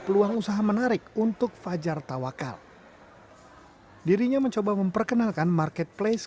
peluang usaha menarik untuk fajar tawakal dirinya mencoba memperkenalkan marketplace